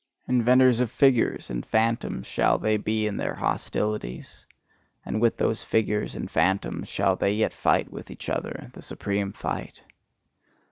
Inventors of figures and phantoms shall they be in their hostilities; and with those figures and phantoms shall they yet fight with each other the supreme fight!